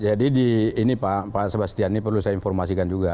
jadi di ini pak sebastiani perlu saya informasikan juga